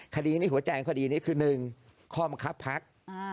คดีนี้หัวใจของคดีนี้คือ๑ข้อบังคับพัก